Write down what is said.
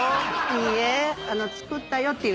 いいえ。